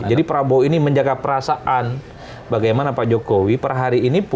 jadi prabowo ini menjaga perasaan bagaimana pak jokowi per hari ini